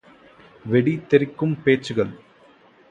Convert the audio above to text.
வெடி தெறிக்கும் பேச்சுகள்!